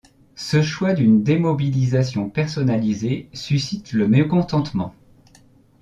Ce choix d’une démobilisation personnalisée suscite le mécontentement.